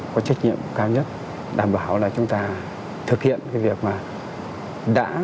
có trách nhiệm cao nhất đảm bảo là chúng ta thực hiện cái việc mà đã là đã mở